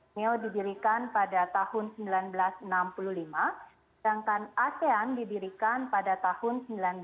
neo didirikan pada tahun seribu sembilan ratus enam puluh lima sedangkan asean didirikan pada tahun seribu sembilan ratus sembilan puluh